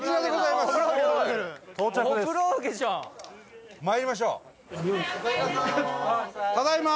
伊達：まいりましょう。